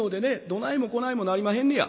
どないもこないもなりまへんねや」。